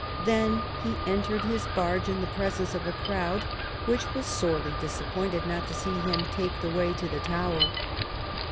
Then he entered his barge in the presence of a crowd, which was sorely disappointed not to see him take the way to the Tower.